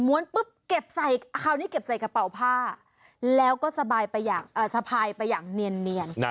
ปุ๊บเก็บใส่คราวนี้เก็บใส่กระเป๋าผ้าแล้วก็สะพายไปอย่างเนียน